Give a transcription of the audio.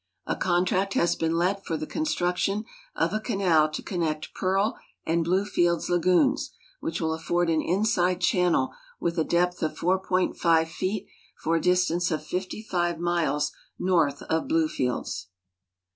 A contract has been let for the construction of a canal to connect Pearl and Bluefields lagoons, which will afford an inside channel with a <lei>th of 4.5 feet for a distance of 55 miles north of Bluefields.